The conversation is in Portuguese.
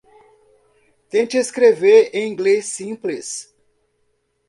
Tente escrever em inglês simples.